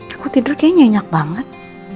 aku tidur kayaknya nyenyak banget